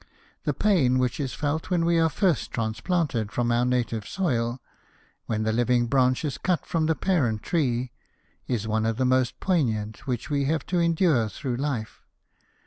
The pain which is felt when we are first transplanted from our native soil — when the living branch is cut from the parent tree — is one of the most poignant which we have to endure through life.